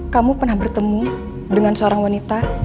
kamu pernah bertemu dengan seorang wanita